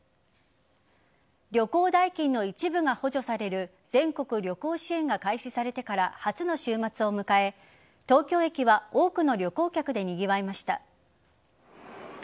旅行代金の一部が補助される全国旅行支援が開始されてから初の週末を迎え東京駅は多くの旅行客でにぎわいました。